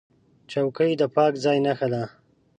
چوکۍ د پاک ځای نښه ده.